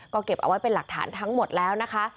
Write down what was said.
ก็เก็บเอาไว้เป็นหลักฐานทั้งหมดแล้วนะคะ